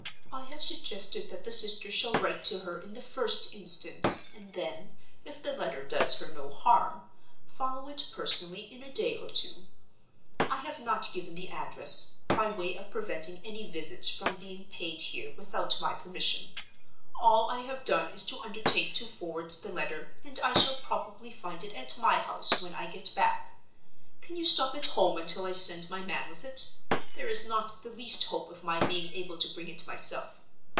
I have suggested that the sister shall write to her in the first instance, and then, if the letter does her no harm, follow it personally in a day or two. I have not given the address, by way of preventing any visits from being paid here without my permission. All I have done is to undertake to forward the letter, and I shall probably find it at my house when I get back. Can you stop at home until I send my man with it? There is not the least hope of my being able to bring it myself.